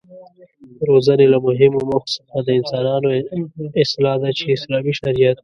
د روزنې له مهمو موخو څخه د انسانانو اصلاح ده چې اسلامي شريعت